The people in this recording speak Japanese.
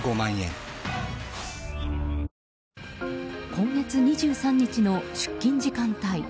今月２３日の出勤時間帯。